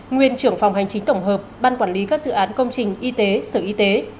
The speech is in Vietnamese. nguyên trưởng phòng hành chính tổng hợp ban quản lý các dự án công trình y tế sở y tế